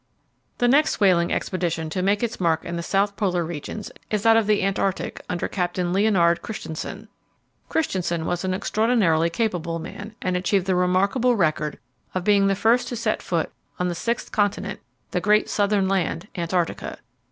The next whaling expedition to make its mark in the South Polar regions is that of the Antarctic, under Captain Leonard Kristensen. Kristensen was an extraordinarily capable man, and achieved the remarkable record of being the first to set foot on the sixth continent, the great southern land "Antarctica."